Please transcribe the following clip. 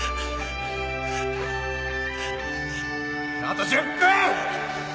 あと１０分！